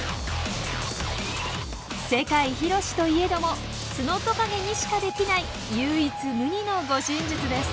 世界広しといえどもツノトカゲにしかできない唯一無二の護身術です。